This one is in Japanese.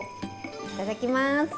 いただきます。